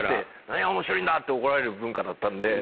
何が面白いんだって怒られる文化だったんで。